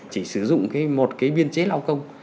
chỉ sử dụng một cái biên chế lao công